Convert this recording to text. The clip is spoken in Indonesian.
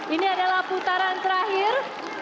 ini adalah putaran terakhir